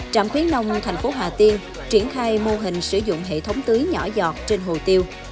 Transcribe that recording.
trạm khuyến nông thành phố hà tiên triển khai mô hình sử dụng hệ thống tưới nhỏ giọt trên hồ tiêu